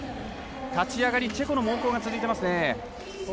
立ち上がり、チェコの猛攻が続いていますね。